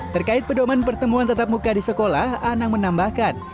terkait pedoman pertemuan tetap muka di sekolah anang menambahkan